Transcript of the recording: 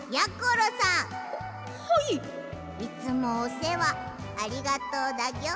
いつもおせわありがとうだギョ。